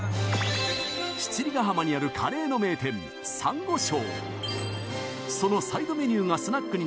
七里ガ浜にあるカレーの名店珊瑚礁。